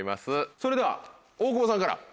それでは大久保さんから。